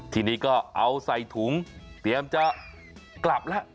ทีนี้ก็เอาใส่ถุงเตรียมจะกลับแล้ว